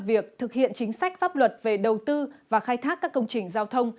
việc thực hiện chính sách pháp luật về đầu tư và khai thác các công trình giao thông